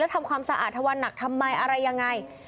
ทำความสะอาดทวันหนักทำไมอะไรยังไง